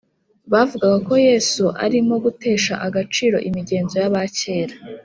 bavugaga ko yesu arimo gutesha agaciro imigenzo y’aba kera;